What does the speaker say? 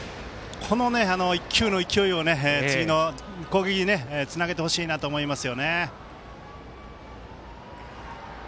この１球の勢いを次の攻撃につなげてほしいなと思います。